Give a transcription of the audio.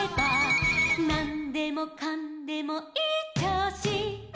「なんでもかんでもいいちょうし」